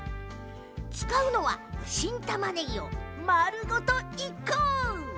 使うのは新たまねぎを丸ごと１個。